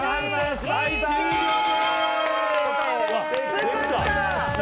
作った！